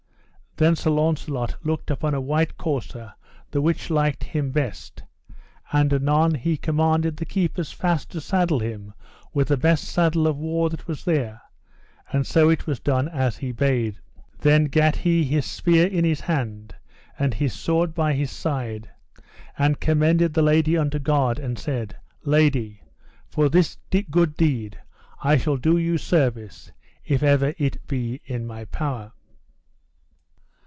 Then Sir Launcelot looked upon a white courser the which liked him best; and anon he commanded the keepers fast to saddle him with the best saddle of war that there was; and so it was done as he bade. Then gat he his spear in his hand, and his sword by his side, and commended the lady unto God, and said: Lady, for this good deed I shall do you service if ever it be in my power.